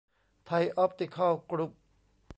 ไทยออพติคอล กรุ๊ป